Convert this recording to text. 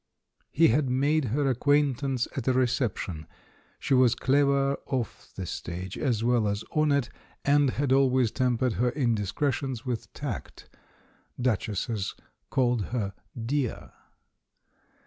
He had made her acquaintance at a reception — she was clever off the stage as well as on it and had always tempered her indiscretions with tact ; duchesses called her "dear."